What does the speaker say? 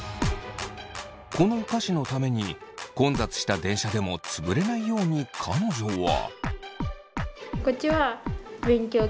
このお菓子のために混雑した電車でも潰れないように彼女は。